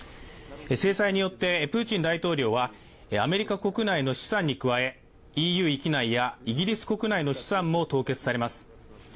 制裁によってプーチン大統領は、アメリカ国内の資産に加え、ＥＵ域内やイギリス国内の資産も凍結されます。